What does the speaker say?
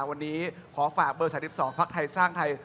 วันนี้ขอฝากเบอร์สาย๑๒ภักดิ์ไทยสร้างไทย